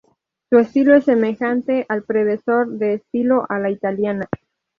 Su estilo es semejante al predecesor, de estilo "a la italiana".